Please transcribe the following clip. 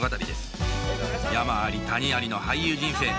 山あり谷ありの俳優人生